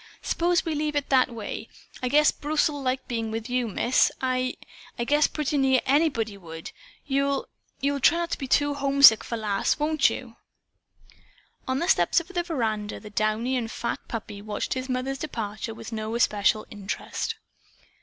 S'pose we leave it that way? I guess Bruce'll like being with you, Miss. I I guess pretty near anybody would. You'll you'll try not to be too homesick for Lass, won't you?" On the steps of the veranda the downy and fat puppy watched his mother's departure with no especial interest.